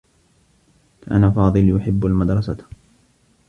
كان فاضل يحبّ المدرسة.